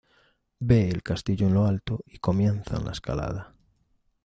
Ve el castillo en lo alto y comienzan la escalada...